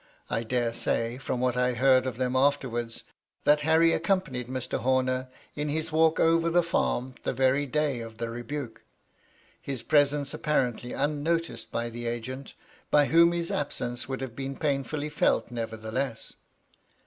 I dare say, from what I heard of them afterwards, that Harry accompanied Mr. Homer in his walk over the farm the very day of the rebuke; his presence apparently unnoticed by the agent, by whom his absence would have been painfully felt nevertheless.